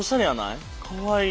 かわいい。